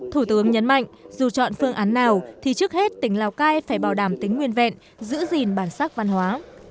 thủ tướng nhấn mạnh dù chọn phương án nào thì trước hết tỉnh lào cai phải bảo đảm tính nguyên vẹn giữ gìn bản sắc văn hóa